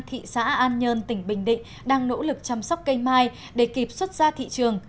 thị xã an nhơn tỉnh bình định đang nỗ lực chăm sóc cây mai để kịp xuất ra thị trường